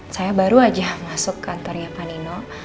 saya baru aja masuk kantornya panino